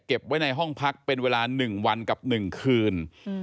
ไว้ในห้องพักเป็นเวลา๑วันกับ๑คืน